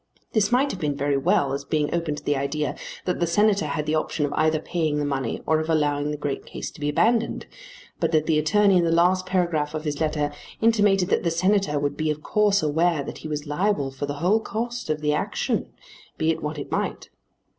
This might have been very well as being open to the idea that the Senator had the option of either paying the money or of allowing the great case to be abandoned, but that the attorney in the last paragraph of his letter intimated that the Senator would be of course aware that he was liable for the whole cost of the action be it what it might.